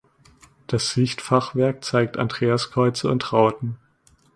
Das Sichtfachwerk zeigt Andreaskreuze und Rauten.